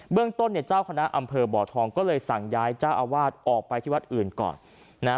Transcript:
เรื่องต้นเนี่ยเจ้าคณะอำเภอบ่อทองก็เลยสั่งย้ายเจ้าอาวาสออกไปที่วัดอื่นก่อนนะฮะ